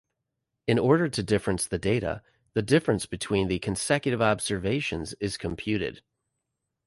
In order to difference the data, the difference between consecutive observations is computed.